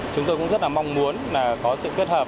chúng tôi cũng rất là mong muốn là có sự kết hợp